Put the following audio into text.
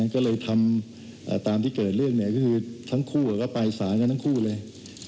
ก็เลยทำตามที่เกิดเรื่องเนี่ยก็คือทั้งคู่ก็ไปสารกันทั้งคู่เลย